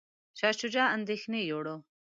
شاه شجاع اندیښنې یووړ.